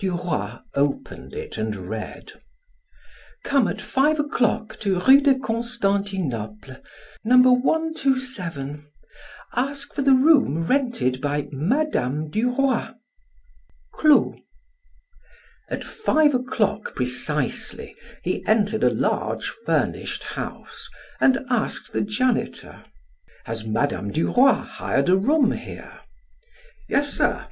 Duroy opened it and read: "Come at five o'clock to Rue de Constantinople, No. 127. Ask for the room rented by Mme. Duroy. CLO." At five o'clock precisely he entered a large furnished house and asked the janitor: "Has Mme. Duroy hired a room here?" "Yes, sir."